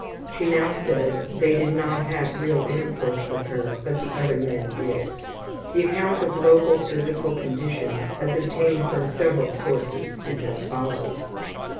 She now says they did not have real intercourse with her, but the other men did. The account of local physical conditions as obtained from several sources is as follows.